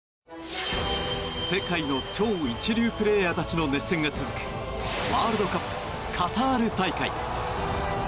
世界の超一流プレーヤーたちの熱戦が続くワールドカップカタール大会。